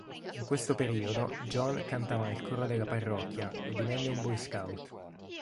In questo periodo John cantava nel coro della parrocchia e divenne un boy scout.